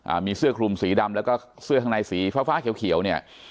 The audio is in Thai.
มีเสื้อคลุมสีดำแล้วก็เสื้อข้างในสีฟ้าฟ้าเขียวเขียวเนี่ย